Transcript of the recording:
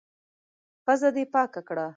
پزه دي پاکه کړه!